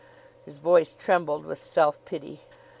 His voice trembled with self pity.